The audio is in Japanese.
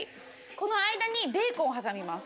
この間にベーコンを挟みます。